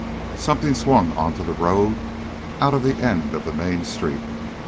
Something swung on to the road out of the end of the main street.